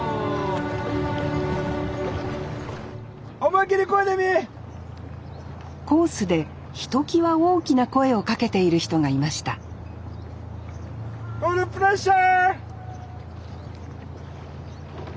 思い切り漕いでみ！コースでひときわ大きな声をかけている人がいましたオールプレッシャー！